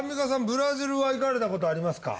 ブラジルは行かれたことありますか？